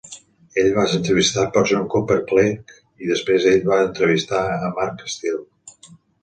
Ell va ser entrevistat per John Cooper Clarke i després ell va entrevistar en Mark Steel.